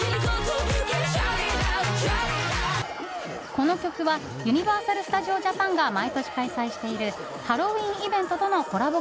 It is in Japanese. この曲は、ユニバーサル・スタジオ・ジャパンが毎年開催しているハロウィーンイベントとのコラボ